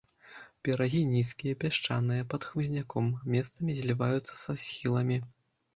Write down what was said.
Берагі нізкія, пясчаныя, пад хмызняком, месцамі зліваюцца са схіламі.